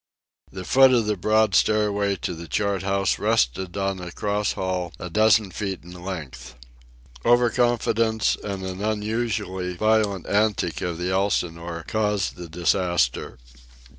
The foot of the broad stairway to the chart house rested on a cross hall a dozen feet in length. Over confidence and an unusually violent antic of the Elsinore caused the disaster.